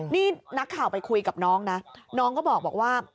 นี่นักข่าวไปคุยกับน้องนะน้องก็บอกว่า